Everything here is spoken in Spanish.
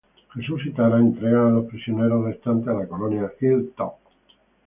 Jesús y Tara entregan a los prisioneros restantes a la colonia Hilltop.